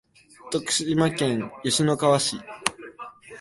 徳島県吉野川市